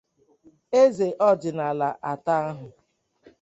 eze ọdịnala atọ ahụ